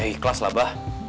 ya ikhlas lah abah